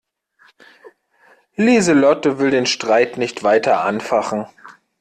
Lieselotte will den Streit nicht weiter anfachen.